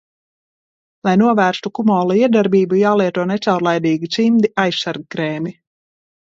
Lai novērstu kumola iedarbību, jālieto necaurlaidīgi cimdi, aizsargkrēmi.